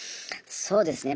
そうですね。